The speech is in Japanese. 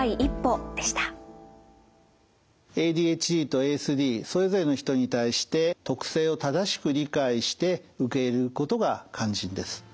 ＡＤＨＤとＡＳＤそれぞれの人に対して特性を正しく理解して受け入れることが肝心です。